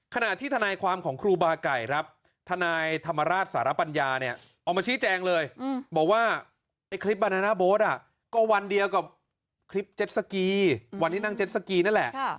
ขณะที่ทนายความของครูบาไก่ครับทนายธรรมราชสารปัญญาเนี่ยออกมาชี้แจงเลยบอกว่าไอ้คลิปบานาน่าโบ๊ทก็วันเดียวกับคลิปเจ็ดสกีวันที่นั่งเจ็ดสกีนั่นแหละ